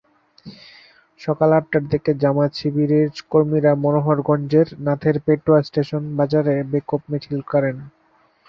সকাল আটটার দিকে জামায়াত-শিবিরের কর্মীরা মনোহরগঞ্জের নাথেরপেটুয়া স্টেশন বাজারে বিক্ষোভ মিছিল করেন।